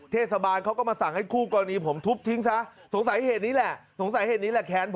เทศบาลเขาก็มาสั่งให้คู่กรณีผมทุบทิ้งซะสงสัยเหตุนี้แหละสงสัยเหตุนี้แหละแค้นผม